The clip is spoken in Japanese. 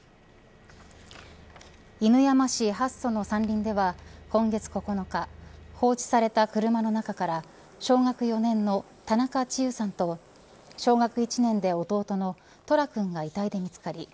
犬山市八曽の山林では今月９日放置された車の中から小学４年の田中千結さんと小学１年で弟の十楽君が遺体で見つかり